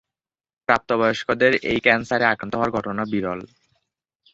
প্রাপ্তবয়স্কদের এই ক্যান্সারে আক্রান্ত হওয়ার ঘটনা বিরল।